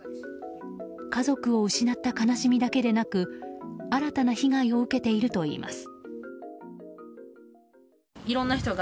家族を失った悲しみだけでなく新たな被害を受けているといいます。